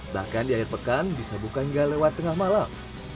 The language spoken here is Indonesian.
bahkan di air pekan bisa buka hingga lewat tengah malam